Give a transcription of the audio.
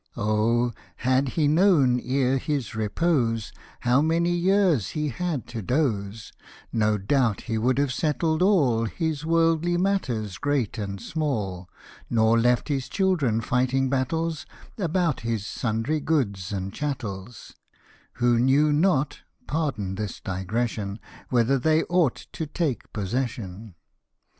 O ! had he known, ere his repose, How many years he had to doze, No doubt he would have settled all His wordly matters, great and small ; Nor left Ms children fighting battles About his sundry goods and chattels ; Who knew not (pardon this digression) Whether they ought to take possession.